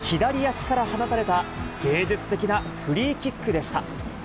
初ゴールは、左足から放たれた芸術的なフリーキックでした。